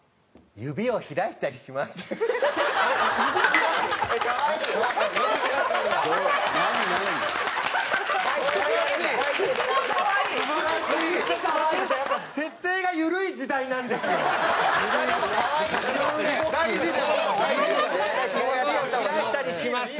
指を開いたりします。